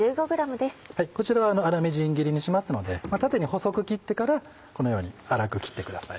こちら粗みじん切りにしますので縦に細く切ってからこのように粗く切ってください。